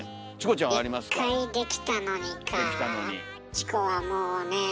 チコはもうねえ